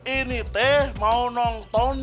ini teh mau nonton